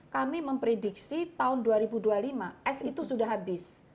kami memprediksi tahun dua ribu dua puluh lima s itu sudah habis